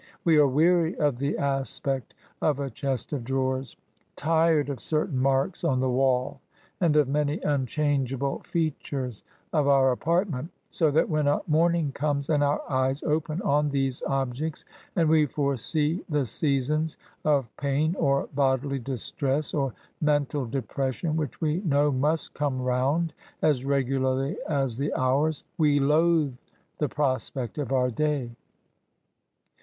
We are weary of the aspect of a chest of drawers, — tired of certain marks on the wall, and of many unchangeable features of our apartment; so that when a morning comes, and our eyes open on these objects, and we foresee the seasons of pain or bodily distress, or mental depression, which we know must come round as regularly as the hours, we loathe the prospect of our day.